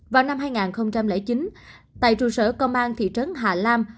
vào năm hai nghìn chín tại trụ sở công an thị trấn hà lam